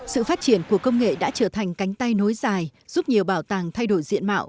sự phát triển của công nghệ đã trở thành cánh tay nối dài giúp nhiều bảo tàng thay đổi diện mạo